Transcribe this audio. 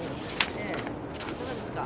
ええいかがですか？